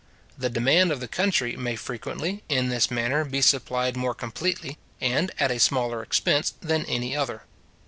The demand of the country may frequently, in this manner, be supplied more completely, and at a smaller expense, than in any other.